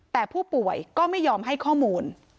แต่ผู้ป่วยก็ไม่ยอมให้ข้อมูล